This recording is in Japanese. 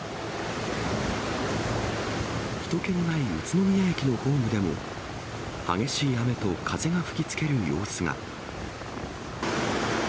ひと気のない宇都宮駅のホームでも激しい雨と風が吹きつける様子が。